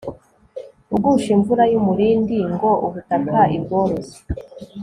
ugusha imvura y'umurindi ngoubutaka ibworoshye